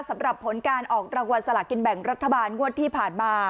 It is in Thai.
สำหรับผลการออกรางวัลสลากินแบ่งรัฐบาลงวดที่ผ่านมา